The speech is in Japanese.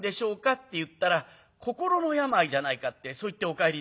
って言ったら『心の病じゃないか』ってそう言ってお帰りになる。